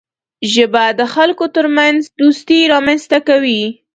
ژبه د خلکو ترمنځ دوستي رامنځته کوي